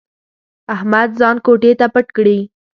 احمد ځان کوټې ته پټ کړي.